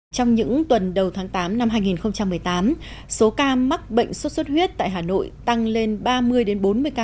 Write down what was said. trong những tuần đầu tháng tám năm hai nghìn một mươi tám số ca mắc bệnh sốt xuất huyết tại hà nội tăng lên ba mươi bốn mươi ca